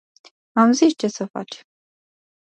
Am zis ce sa faci.